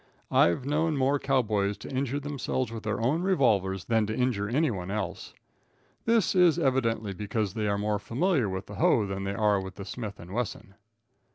I've known more cow boys to injure themselves with their own revolvers than to injure anyone else. This is evidently because they are more familiar with the hoe than they are with the Smith & Wesson.